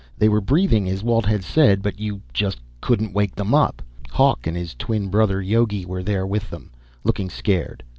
They were breathing, as Walt had said, but you just couldn't wake them up. Hawk and his twin brother, Yogi, were there with them, looking scared.